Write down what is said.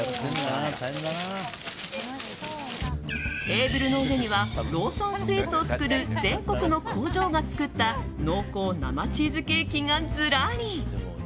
テーブルの上にはローソンスイーツを作る全国の工場が作った濃厚生チーズケーキがずらり。